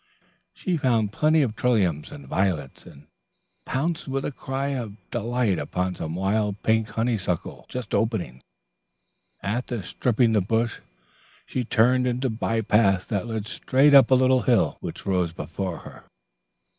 She found plenty of trilliums and violets, and pounced with a cry of delight upon some wild pink honeysuckle just opening. After stripping the bush, she turned into a bypath that led straight up a little hill which rose before her.